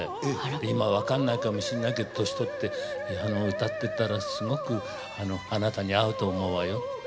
今わかんないかもしんないけど年取って歌っていったらすごくあなたに合うと思うわよって。